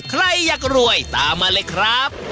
ใครอยากรวยตามมาเลยครับ